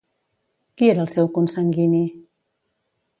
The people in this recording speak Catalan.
Qui era el seu consanguini?